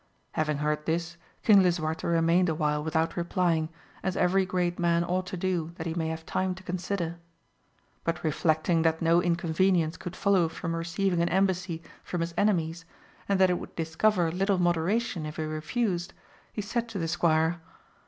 Having heard this King Lisuarte remained awhile without re plying, as every great man ought to do that he may have time to consider ; but reflecting that no incon venience could follow from receiving an embassy from his enemies, and that it would discover little modera tion if he refused, he said to the squire.